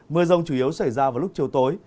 mưa rông chủ yếu xảy ra vào lúc chiều tối